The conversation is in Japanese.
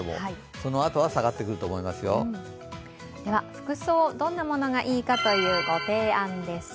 服装、どんなものがいいかの提案です。